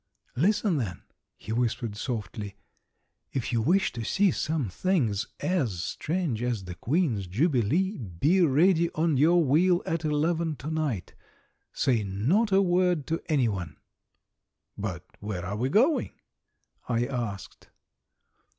"Listen, then," he whispered softly, "if you wish to see some things as strange as the Queen's Jubilee be ready on your wheel at 11 tonight. Say not a word to any one." "But where are we going?" I asked.